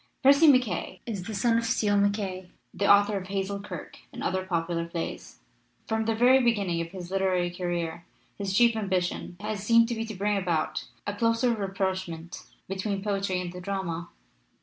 Percy MacKaye is the son of Steele MacKaye, the author of Hazel Kirke and other popular plays. From the very beginning of his literary career his chief ambition has seemed to be to bring about a closer rapprochement between poetry and the drama.